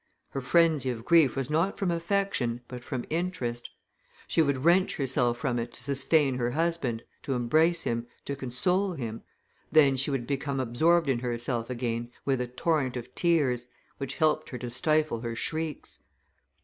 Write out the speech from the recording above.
Her frenzy of grief was not from affection, but from interest; she would wrench herself from it to sustain her husband, to embrace him, to console him, then she would become absorbed in herself again with a torrent of tears, which helped her to stifle her shrieks.